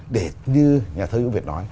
để như nhà thơ dữ việt nói